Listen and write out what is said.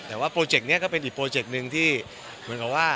แต่ว่าโปรเจกต์นี้ก็เป็นอีกโปรเจกต์หนึ่งที่เหมือนกับว่า